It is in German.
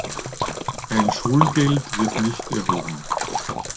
Ein Schulgeld wird nicht erhoben.